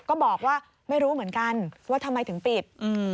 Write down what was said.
ก็บอกว่าไม่รู้เหมือนกันว่าทำไมถึงปิด